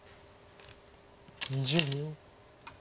２０秒。